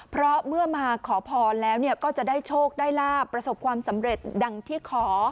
เพราะเมื่อมาขอพรแล้วก็จะได้โชคได้ลาบประสบความสำเร็จดังที่ขอ